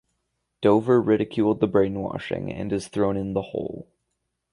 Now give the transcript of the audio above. Dover ridiculed the brainwashing and is thrown in the hole.